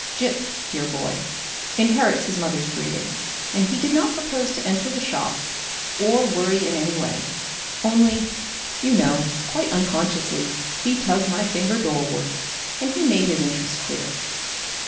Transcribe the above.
Gip, dear boy, inherits his mother's breeding, and he did not propose to enter the shop or worry in any way; only, you know, quite unconsciously he lugged my finger doorward, and he made his interest clear.